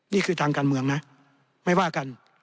นี่คือทางการเมืองนะไม่ว่ากัน